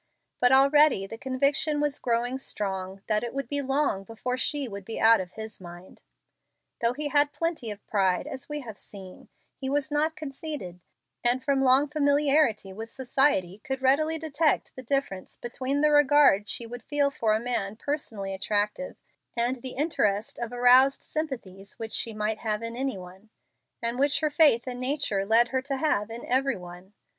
But already the conviction was growing strong that it would be long before she would be out of his mind. Though he had plenty of pride, as we have seen, he was not conceited, and from long familiarity with society could readily detect the difference between the regard she would feel for a man personally attractive and the interest of aroused sympathies which she might have in any one, and which her faith and nature led her to have in every one.